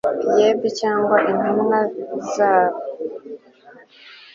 Yb Cyangwa intumwa zayo